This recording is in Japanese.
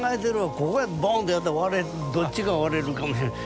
ここへボーンとやったら割れるどっちか割れるかもしれない。